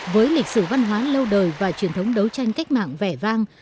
với lịch sử văn hóa lâu đời và truyền thống đấu tranh cách mạng vẻ vang